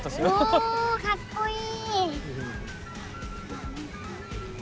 おおかっこいい！